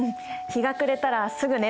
日が暮れたらすぐ寝る。